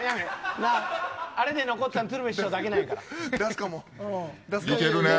あれでよかったん鶴瓶師匠だけやから。